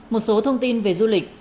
một số thông tin về du lịch